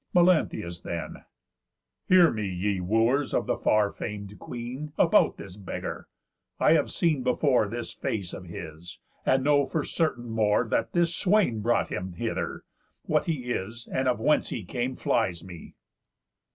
Melanthius then: "Hear me, ye Wooers of the far fam'd queen, About this beggar. I have seen before This face of his; and know for certain more, That this swain brought him hither. What he is, Or whence he came, flies me."